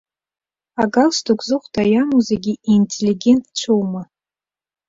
Агалстук зыхәда иамоу зегьы интеллигентцәоума?